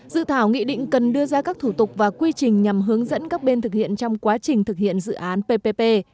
dự thảo nghị định cần đưa ra các thủ tục và quy trình nhằm hướng dẫn các bên thực hiện trong quá trình thực hiện dự án ppp